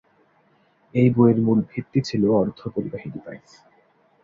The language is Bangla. এই বইয়ের মূল ভিত্তি ছিলো অর্ধপরিবাহী ডিভাইস।